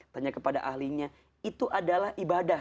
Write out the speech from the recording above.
tanya kepada ahlinya itu adalah ibadah